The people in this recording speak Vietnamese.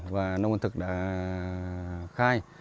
và nông văn thực đã khai